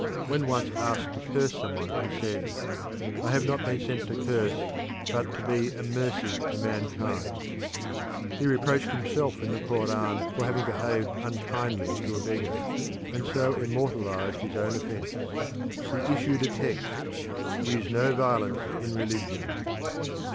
When once asked to curse someone he said, "I have not been sent to curse but to be a mercy to mankind." He reproached himself in the Koran for having behaved unkindly to a beggar, and so immortalised his own offence. He issued a text, "Use no violence in religion."